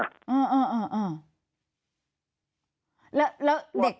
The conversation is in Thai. แล้วเด็ก